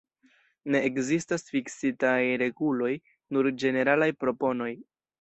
Ne ekzistas fiksitaj reguloj, nur ĝeneralaj proponoj.